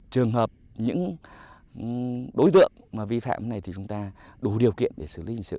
trường hợp những đối tượng mà vi phạm này thì chúng ta đủ điều kiện để xử lý hình sự